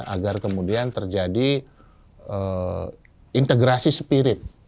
agar kemudian terjadi integrasi spirit